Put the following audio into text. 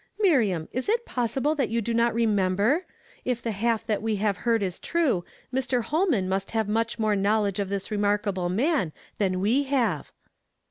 " IMiriam ! is it possible that you do not remem ber? If the half that we have heard is true, Mr. Ilolman nnist have much more knowledge of this remarkable man than we have."